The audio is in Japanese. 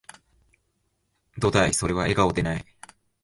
どだい、それは、笑顔でない